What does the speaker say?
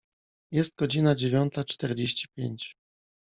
Jest godzina dziewiąta czterdzieści pięć.